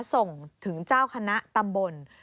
ส่งถึงเจ้าคณะตำบล